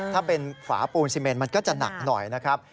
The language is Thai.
ถ้าเป็นฝาปูนซีเมนมันก็จะหนักหน่อยนะครับ